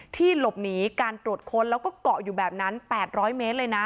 ที่หลบหนีการตรวจค้นแล้วก็เกาะอยู่แบบนั้น๘๐๐เมตรเลยนะ